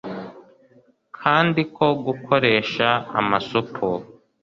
kandi ko gukoresha amasupu